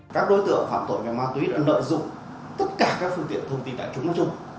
các đối tượng phản tội về ma túy đã lợi dụng tất cả các phương tiện thông tin tại chúng nói chung